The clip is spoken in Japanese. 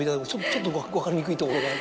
ちょっと分かりにくいところが。